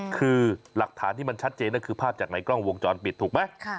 คือหลักฐานที่มันชัดเจนก็คือภาพจากในกล้องวงจรปิดถูกไหม